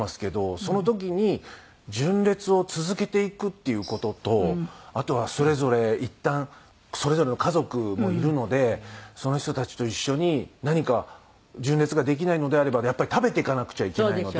その時に純烈を続けていくっていう事とあとはそれぞれいったんそれぞれの家族もいるのでその人たちと一緒に何か純烈ができないのであればやっぱり食べていかなくちゃいけないので。